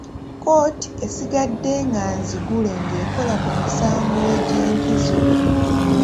Kkooti esigadde nga nzigule ng'ekola ku misango egy'enkizo.